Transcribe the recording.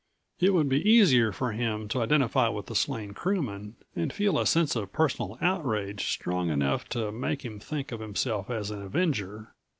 It would be easier for him to identify with the slain crewman and feel a sense of personal outrage strong enough to make him think of himself as an avenger.